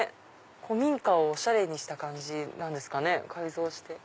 古民家をおしゃれにした感じです改造して。